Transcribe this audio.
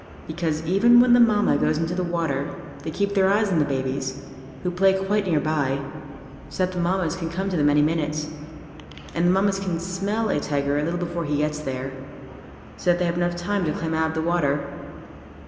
Because even when the Mammas go into the water they keep their eyes on the babies, who play quite near by, so that the Mammas can come to them any minute. And the Mammas can smell a tiger a little before he gets there, so that they have enough time to climb out of the water.